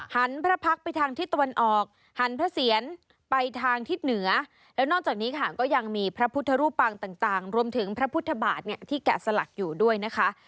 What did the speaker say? พระพักษ์ไปทางทิศตะวันออกหันพระเสียรไปทางทิศเหนือแล้วนอกจากนี้ค่ะก็ยังมีพระพุทธรูปปางต่างรวมถึงพระพุทธบาทเนี่ยที่แกะสลักอยู่ด้วยนะคะ